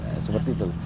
ya seperti itu